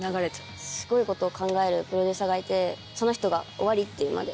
すごいことを考えるプロデューサーがいてその人が終わりって言うまで。